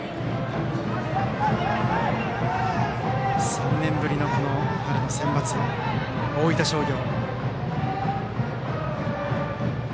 ３年ぶりの春のセンバツ大分商業。